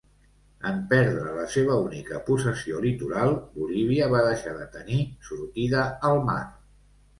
En perdre la seva única possessió litoral, Bolívia va deixar de tenir sortida al mar.